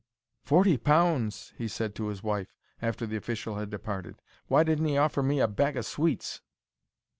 "Forty pounds!" he said to his wife, after the official had departed. "Why didn't 'e offer me a bag o' sweets?"